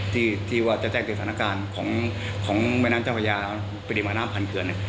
ที่ที่ว่าจะแจ้งเตือนสถานการณ์ของของแม่น้ำเจ้าพระยาประเด็นมาน้ำพันเกือนนี่